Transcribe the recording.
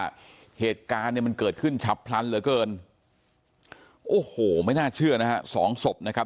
เหตุการณ์เนี่ยมันเกิดขึ้นฉับพลันเหลือเกินโอ้โหไม่น่าเชื่อนะฮะสองศพนะครับ